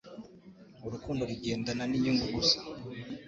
urukundo rugendana n'inyungu gusa